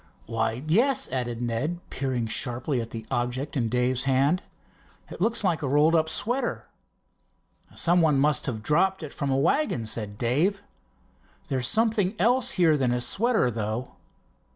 "Why, yes," added Ned, peering sharply at the object in Dave's hand. "It looks like a rolled up sweater." "Some one must have dropped it from a wagon," said Dave. "There's something else here than a sweater, though."